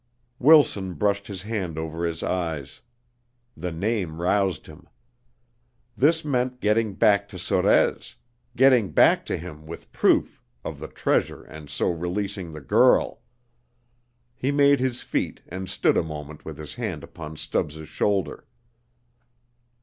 Wilson brushed his hand over his eyes. The name roused him. This meant getting back to Sorez getting back to him with proof of the treasure and so releasing the girl. He made his feet and stood a moment with his hand upon Stubbs' shoulder.